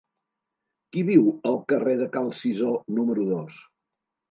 Qui viu al carrer de Cal Cisó número dos?